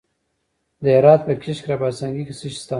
د هرات په کشک رباط سنګي کې څه شی شته؟